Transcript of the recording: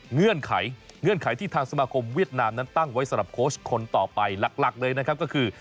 เงื่อนไขที่ทางสมวิดนามนั้นตั้งไว้สำหรับโค้ชคนต่อไปหลักเลยนะครับก็คือ